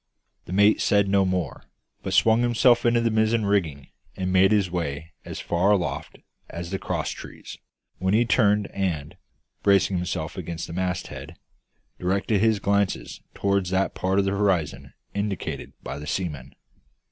The mate said no more, but swung himself into the mizzen rigging, and made his way as far aloft as the cross trees; when he turned and, bracing himself against the masthead, directed his glances toward that part of the horizon indicated by the seaman.